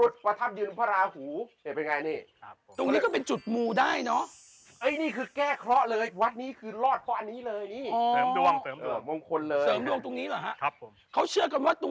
แสดงวันนี้สามารถเลือกถึง